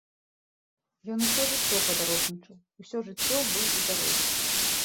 Ён усё жыццё падарожнічаў, усё жыццё быў у дарозе.